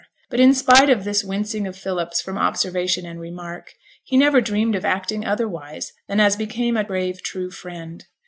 But in spite of this wincing of Philip's from observation and remark, he never dreamed of acting otherwise than as became a brave true friend.